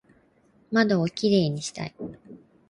窓をキレイにしたい